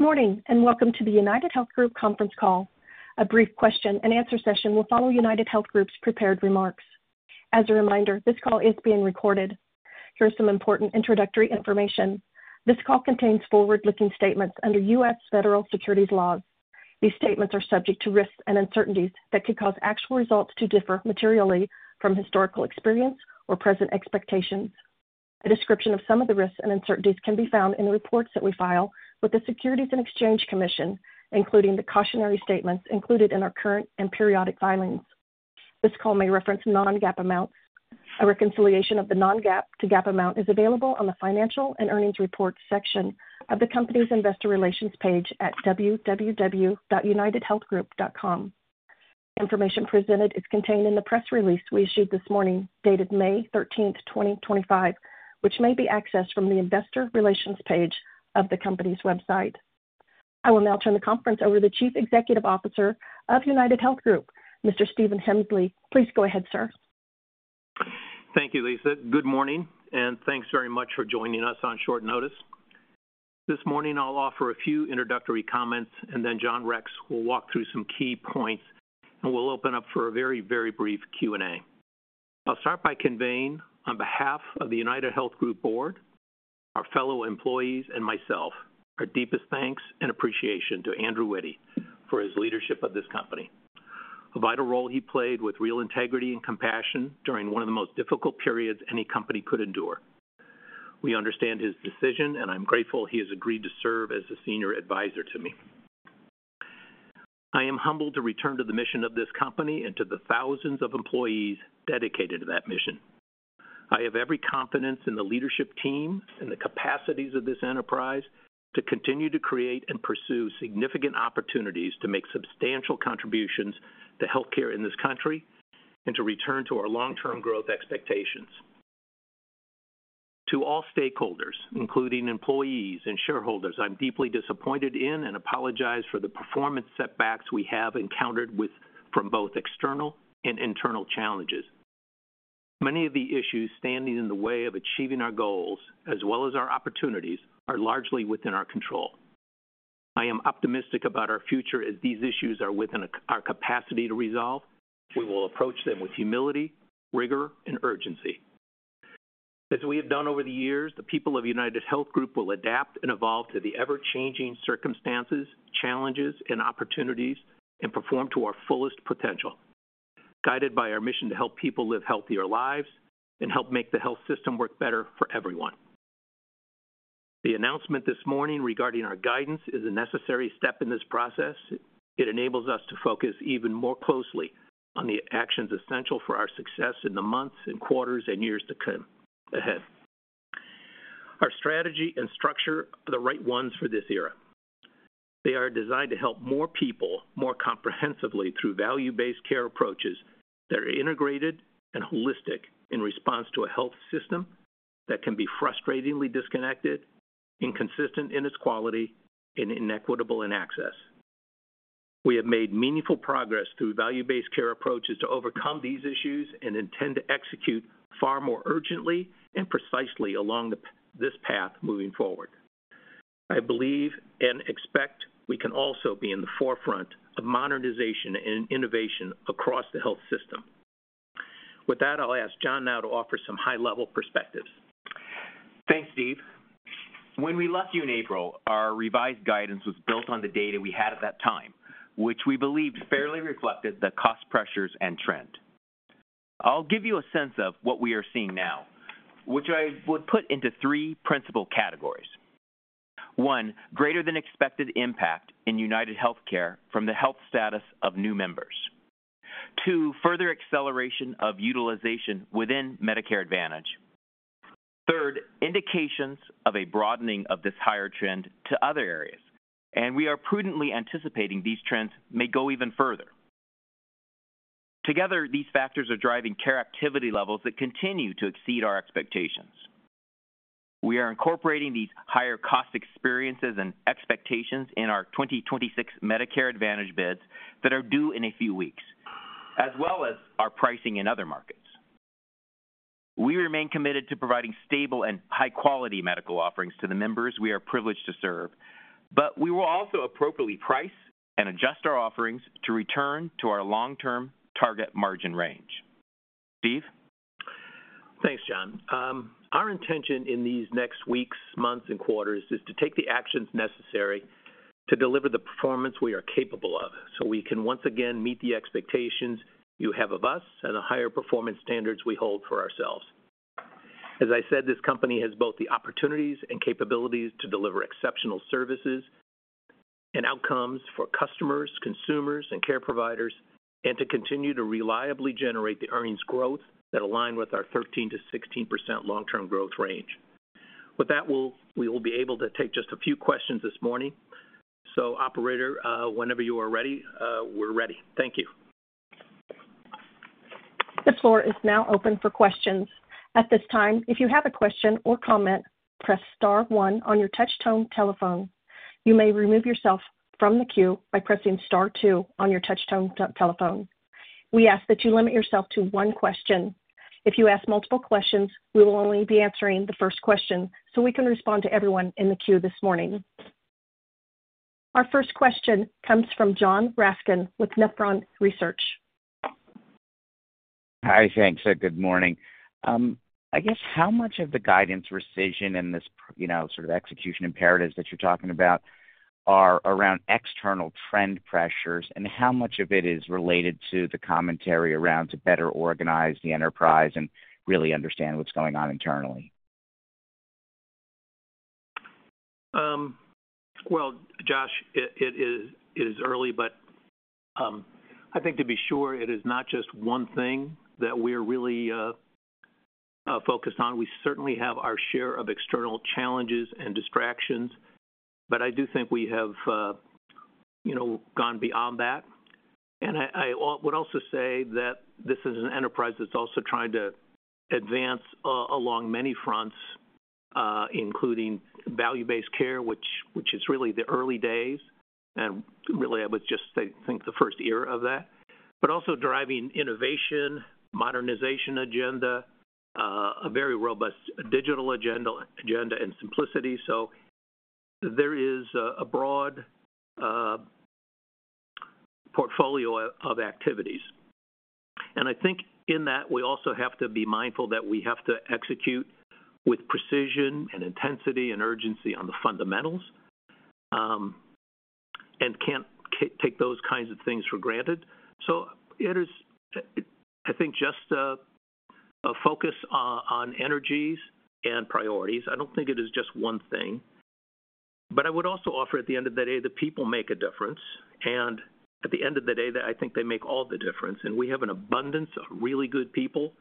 Good morning and welcome to the UnitedHealth Group Conference Call. A brief question-and-answer session will follow UnitedHealth Group's prepared remarks. As a reminder, this call is being recorded. Here is some important introductory information. This call contains forward-looking statements under U.S. federal securities laws. These statements are subject to risks and uncertainties that could cause actual results to differ materially from historical experience or present expectations. A description of some of the risks and uncertainties can be found in reports that we file with the Securities and Exchange Commission, including the cautionary statements included in our current and periodic filings. This call may reference non-GAAP amounts. A reconciliation of the non-GAAP to GAAP amount is available on the Financial and Earnings Reports section of the company's Investor Relations page at www.unitedhealthgroup.com. The information presented is contained in the press release we issued this morning dated May 13th 2025, which may be accessed from the Investor Relations page of the company's website. I will now turn the conference over to the Chief Executive Officer of UnitedHealth Group, Mr. Stephen Hemsley. Please go ahead, sir. Thank you, Lisa. Good morning, and thanks very much for joining us on short notice. This morning, I'll offer a few introductory comments, and then John Rex will walk through some key points, and we'll open up for a very, very brief Q&A. I'll start by conveying, on behalf of the UnitedHealth Group board, our fellow employees, and myself, our deepest thanks and appreciation to Andrew Witty for his leadership of this company. A vital role he played with real integrity and compassion during one of the most difficult periods any company could endure. We understand his decision, and I'm grateful he has agreed to serve as a senior advisor to me. I am humbled to return to the mission of this company and to the thousands of employees dedicated to that mission. I have every confidence in the leadership team and the capacities of this enterprise to continue to create and pursue significant opportunities to make substantial contributions to healthcare in this country and to return to our long-term growth expectations. To all stakeholders, including employees and shareholders, I'm deeply disappointed in and apologize for the performance setbacks we have encountered from both external and internal challenges. Many of the issues standing in the way of achieving our goals, as well as our opportunities, are largely within our control. I am optimistic about our future as these issues are within our capacity to resolve. We will approach them with humility, rigor, and urgency. As we have done over the years, the people of UnitedHealth Group will adapt and evolve to the ever-changing circumstances, challenges, and opportunities, and perform to our fullest potential, guided by our mission to help people live healthier lives and help make the health system work better for everyone. The announcement this morning regarding our guidance is a necessary step in this process. It enables us to focus even more closely on the actions essential for our success in the months, quarters, and years to come ahead. Our strategy and structure are the right ones for this era. They are designed to help more people more comprehensively through value-based care approaches that are integrated and holistic in response to a health system that can be frustratingly disconnected, inconsistent in its quality, and inequitable in access. We have made meaningful progress through value-based care approaches to overcome these issues and intend to execute far more urgently and precisely along this path moving forward. I believe and expect we can also be in the forefront of modernization and innovation across the health system. With that, I'll ask John now to offer some high-level perspectives. Thanks, Steve. When we left you in April, our revised guidance was built on the data we had at that time, which we believed fairly reflected the cost pressures and trend. I'll give you a sense of what we are seeing now, which I would put into three principal categories. One, greater than expected impact in UnitedHealthcare from the health status of new members. Two, further acceleration of utilization within Medicare Advantage. Third, indications of a broadening of this higher trend to other areas, and we are prudently anticipating these trends may go even further. Together, these factors are driving care activity levels that continue to exceed our expectations. We are incorporating these higher cost experiences and expectations in our 2026 Medicare Advantage bids that are due in a few weeks, as well as our pricing in other markets. We remain committed to providing stable and high-quality medical offerings to the members we are privileged to serve, but we will also appropriately price and adjust our offerings to return to our long-term target margin range. Steve? Thanks, John. Our intention in these next weeks, months, and quarters is to take the actions necessary to deliver the performance we are capable of so we can once again meet the expectations you have of us and the higher performance standards we hold for ourselves. As I said, this company has both the opportunities and capabilities to deliver exceptional services and outcomes for customers, consumers, and care providers, and to continue to reliably generate the earnings growth that aligns with our 13-16% long-term growth range. With that, we will be able to take just a few questions this morning. Operator, whenever you are ready, we're ready. Thank you. This floor is now open for questions. At this time, if you have a question or comment, press Star 1 on your touch-tone telephone. You may remove yourself from the queue by pressing Star 2 on your touch-tone telephone. We ask that you limit yourself to one question. If you ask multiple questions, we will only be answering the first question so we can respond to everyone in the queue this morning. Our first question comes from Josh Raskin with Nephron Research. Hi, thanks. Good morning. I guess how much of the guidance, precision, and this sort of execution imperatives that you're talking about are around external trend pressures, and how much of it is related to the commentary around to better organize the enterprise and really understand what's going on internally? Josh, it is early, but I think to be sure it is not just one thing that we are really focused on. We certainly have our share of external challenges and distractions, but I do think we have gone beyond that. I would also say that this is an enterprise that is also trying to advance along many fronts, including value-based care, which is really the early days, and really I would just say, I think, the first era of that, but also driving innovation, modernization agenda, a very robust digital agenda, and simplicity. There is a broad portfolio of activities. I think in that, we also have to be mindful that we have to execute with precision and intensity and urgency on the fundamentals and cannot take those kinds of things for granted. It is, I think, just a focus on energies and priorities. I don't think it is just one thing. I would also offer at the end of the day that people make a difference. At the end of the day, I think they make all the difference. We have an abundance of really good people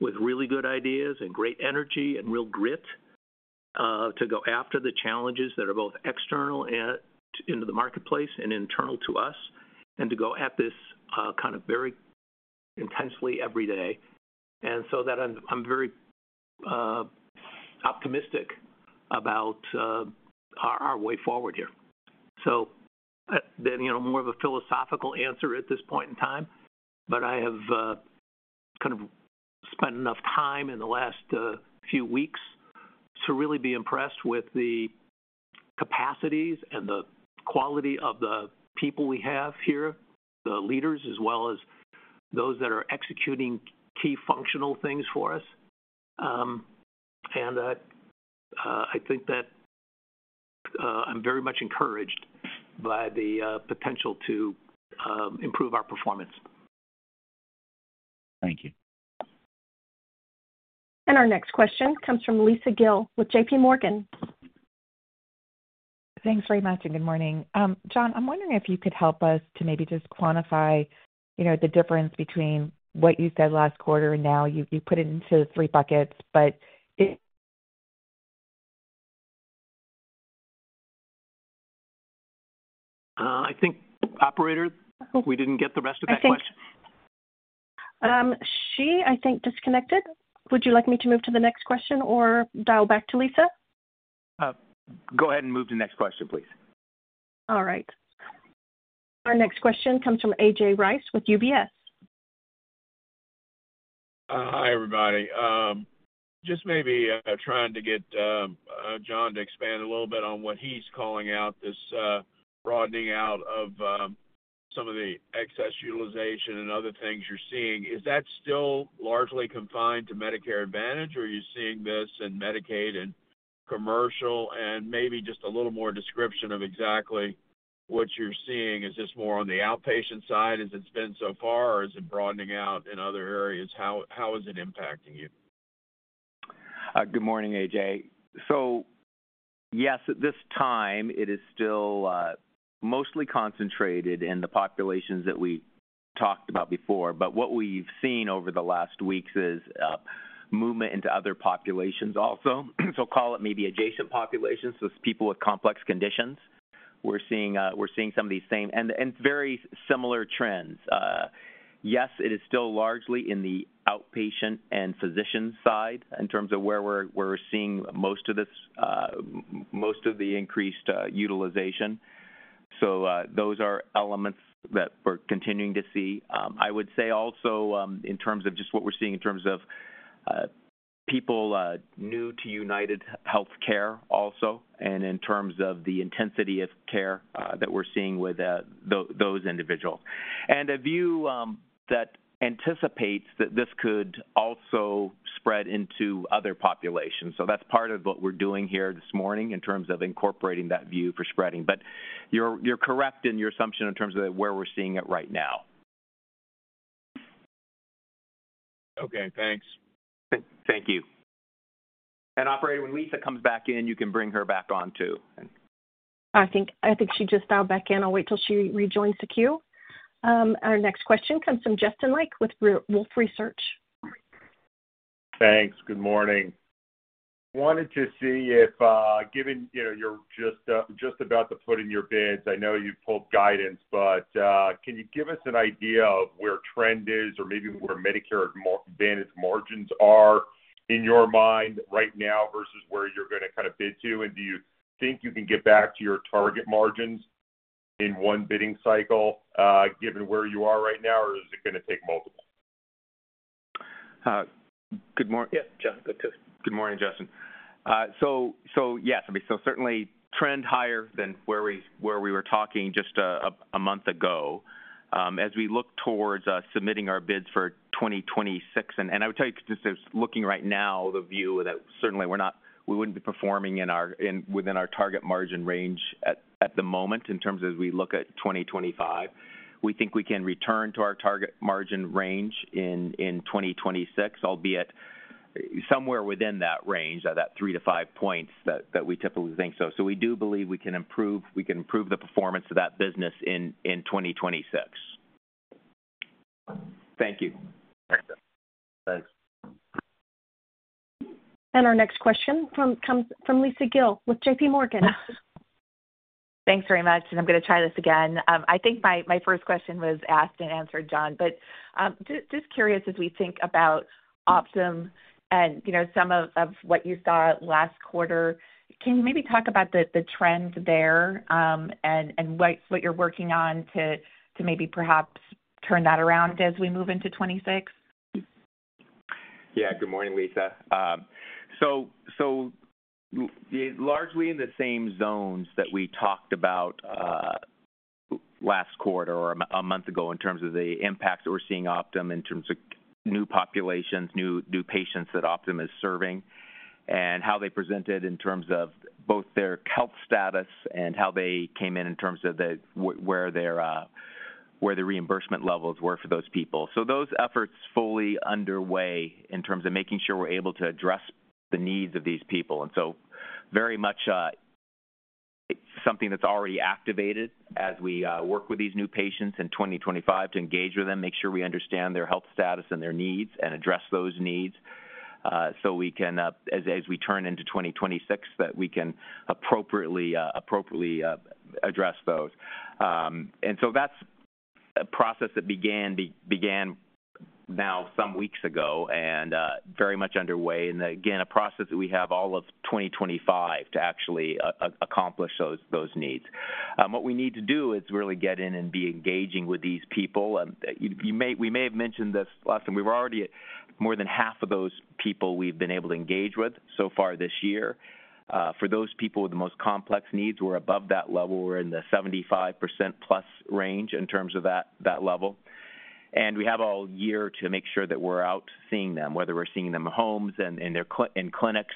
with really good ideas and great energy and real grit to go after the challenges that are both external into the marketplace and internal to us and to go at this kind of very intensely every day. I am very optimistic about our way forward here. More of a philosophical answer at this point in time, but I have kind of spent enough time in the last few weeks to really be impressed with the capacities and the quality of the people we have here, the leaders, as well as those that are executing key functional things for us. I think that I'm very much encouraged by the potential to improve our performance. Thank you. Our next question comes from Lisa Gill with J.P. Morgan. Thanks very much. Good morning. John, I'm wondering if you could help us to maybe just quantify the difference between what you said last quarter and now. You put it into three buckets, but it. I think, Operator, we did not get the rest of that question. Thanks. She, I think, disconnected. Would you like me to move to the next question or dial back to Lisa? Go ahead and move to the next question, please. All right. Our next question comes from A.J. Rice with UBS. Hi, everybody. Just maybe trying to get John to expand a little bit on what he's calling out, this broadening out of some of the excess utilization and other things you're seeing. Is that still largely confined to Medicare Advantage, or are you seeing this in Medicaid and commercial and maybe just a little more description of exactly what you're seeing? Is this more on the outpatient side as it's been so far, or is it broadening out in other areas? How is it impacting you? Good morning, A.J. So yes, at this time, it is still mostly concentrated in the populations that we talked about before. What we've seen over the last weeks is movement into other populations also. Call it maybe adjacent populations, so people with complex conditions. We're seeing some of these same and very similar trends. Yes, it is still largely in the outpatient and physician side in terms of where we're seeing most of the increased utilization. Those are elements that we're continuing to see. I would say also in terms of just what we're seeing in terms of people new to UnitedHealthcare also and in terms of the intensity of care that we're seeing with those individuals. A view that anticipates that this could also spread into other populations. That's part of what we're doing here this morning in terms of incorporating that view for spreading. You're correct in your assumption in terms of where we're seeing it right now. Okay. Thanks. Thank you. Operator, when Lisa comes back in, you can bring her back on too. I think she just dialed back in. I'll wait till she rejoins the queue. Our next question comes from Justin Lake with Wolfe Research. Thanks. Good morning. Wanted to see if, given you're just about to put in your bids, I know you've pulled guidance, but can you give us an idea of where trend is or maybe where Medicare Advantage margins are in your mind right now versus where you're going to kind of bid to? Do you think you can get back to your target margins in one bidding cycle given where you are right now, or is it going to take multiple? Good morning. Yeah, John, good to. Good morning, Justin. Yes, I mean, certainly trend higher than where we were talking just a month ago as we look towards submitting our bids for 2026. I would tell you, just looking right now, the view that certainly we would not be performing within our target margin range at the moment in terms of as we look at 2025. We think we can return to our target margin range in 2026, albeit somewhere within that range, that three to five points that we typically think. We do believe we can improve the performance of that business in 2026. Thank you. Thanks. Our next question comes from Lisa Gill with J.P. Morgan. Thanks very much. I'm going to try this again. I think my first question was asked and answered, John, but just curious as we think about Optum and some of what you saw last quarter, can you maybe talk about the trend there and what you're working on to maybe perhaps turn that around as we move into 2026? Yeah. Good morning, Lisa. Largely in the same zones that we talked about last quarter or a month ago in terms of the impact that we're seeing Optum in terms of new populations, new patients that Optum is serving, and how they presented in terms of both their health status and how they came in in terms of where the reimbursement levels were for those people. Those efforts are fully underway in terms of making sure we're able to address the needs of these people. Very much something that's already activated as we work with these new patients in 2025 to engage with them, make sure we understand their health status and their needs and address those needs so we can, as we turn into 2026, appropriately address those. That's a process that began now some weeks ago and is very much underway. A process that we have all of 2025 to actually accomplish those needs. What we need to do is really get in and be engaging with these people. We may have mentioned this last time. We've already more than half of those people we've been able to engage with so far this year. For those people with the most complex needs, we're above that level. We're in the 75% plus range in terms of that level. We have all year to make sure that we're out seeing them, whether we're seeing them in homes and in clinics.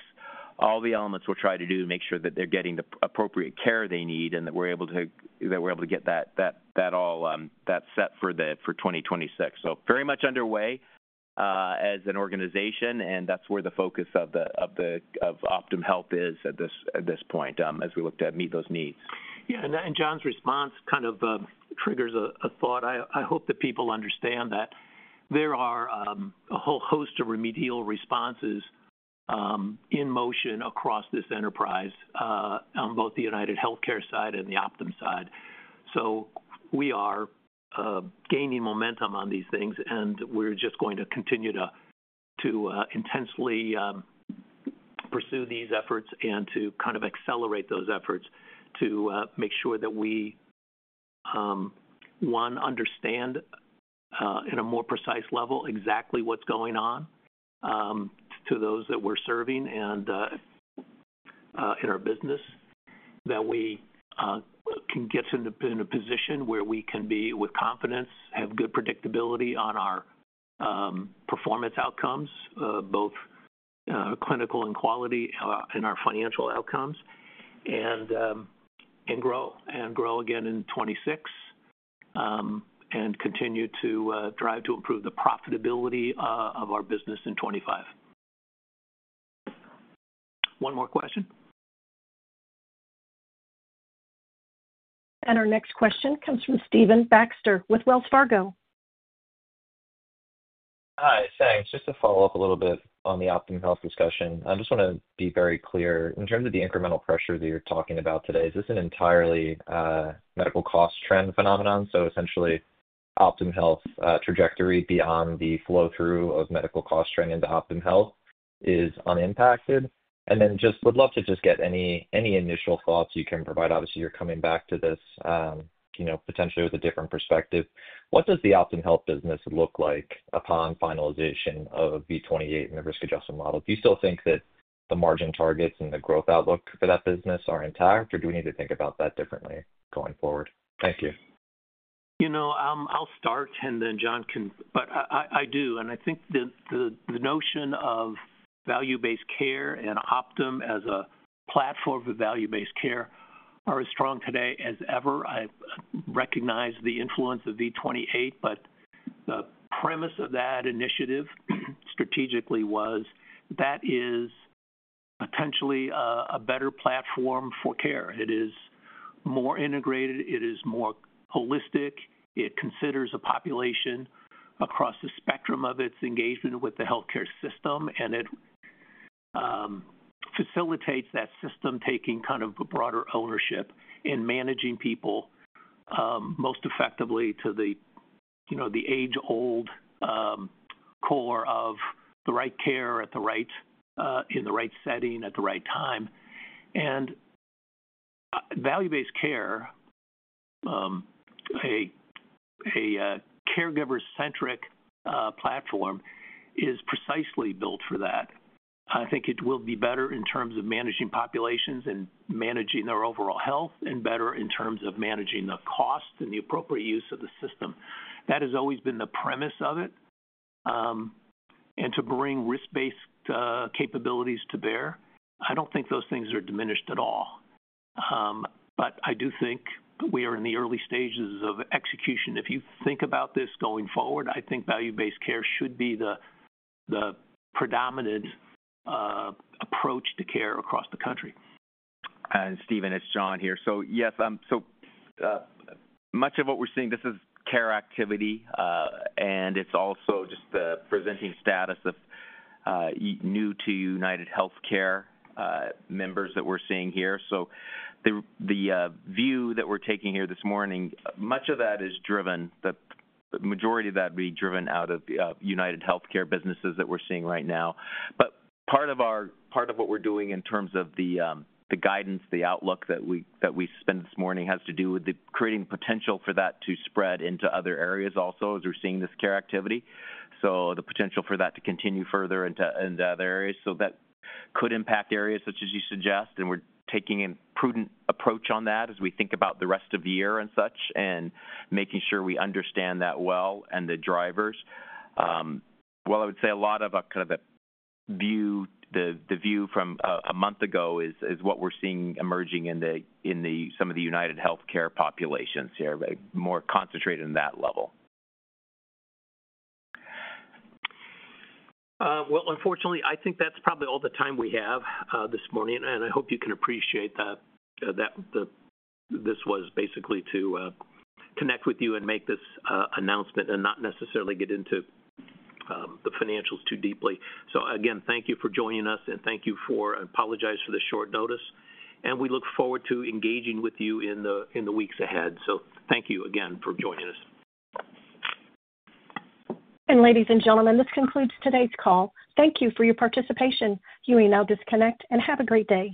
All the elements we'll try to do to make sure that they're getting the appropriate care they need and that we're able to get that all set for 2026. Very much underway as an organization, and that's where the focus of Optum Health is at this point as we look to meet those needs. Yeah. John's response kind of triggers a thought. I hope that people understand that there are a whole host of remedial responses in motion across this enterprise on both the UnitedHealthcare side and the Optum side. We are gaining momentum on these things, and we are just going to continue to intensely pursue these efforts and to kind of accelerate those efforts to make sure that we, one, understand at a more precise level exactly what is going on to those that we are serving and in our business, that we can get in a position where we can be with confidence, have good predictability on our performance outcomes, both clinical and quality and our financial outcomes, and grow again in 2026 and continue to drive to improve the profitability of our business in 2025. One more question. Our next question comes from Stephen Baxter with Wells Fargo. Hi. Thanks. Just to follow up a little bit on the Optum Health discussion, I just want to be very clear. In terms of the incremental pressure that you're talking about today, is this an entirely medical cost trend phenomenon? Essentially, Optum Health trajectory beyond the flow-through of medical cost trend into Optum Health is unimpacted. I would love to get any initial thoughts you can provide. Obviously, you're coming back to this potentially with a different perspective. What does the Optum Health business look like upon finalization of V28 and the risk-adjusted model? Do you still think that the margin targets and the growth outlook for that business are intact, or do we need to think about that differently going forward? Thank you. I'll start, and then John can, but I do. I think the notion of value-based care and Optum as a platform for value-based care are as strong today as ever. I recognize the influence of V28, but the premise of that initiative strategically was that is potentially a better platform for care. It is more integrated. It is more holistic. It considers a population across the spectrum of its engagement with the healthcare system, and it facilitates that system taking kind of a broader ownership and managing people most effectively to the age-old core of the right care in the right setting at the right time. Value-based care, a caregiver-centric platform, is precisely built for that. I think it will be better in terms of managing populations and managing their overall health and better in terms of managing the cost and the appropriate use of the system. That has always been the premise of it. To bring risk-based capabilities to bear, I don't think those things are diminished at all. I do think we are in the early stages of execution. If you think about this going forward, I think value-based care should be the predominant approach to care across the country. Steven, it's John here. Yes, so much of what we're seeing, this is care activity, and it's also just the presenting status of new-to-UnitedHealthcare members that we're seeing here. The view that we're taking here this morning, much of that is driven, the majority of that would be driven out of UnitedHealthcare businesses that we're seeing right now. Part of what we're doing in terms of the guidance, the outlook that we spent this morning, has to do with creating potential for that to spread into other areas also as we're seeing this care activity. The potential for that to continue further into other areas could impact areas such as you suggest. We're taking a prudent approach on that as we think about the rest of the year and such and making sure we understand that well and the drivers. I would say a lot of kind of the view from a month ago is what we're seeing emerging in some of the UnitedHealthcare populations here, more concentrated in that level. I think that's probably all the time we have this morning, and I hope you can appreciate that this was basically to connect with you and make this announcement and not necessarily get into the financials too deeply. Again, thank you for joining us, and thank you for I apologize for the short notice. We look forward to engaging with you in the weeks ahead. Thank you again for joining us. Ladies and gentlemen, this concludes today's call. Thank you for your participation. You may now disconnect and have a great day.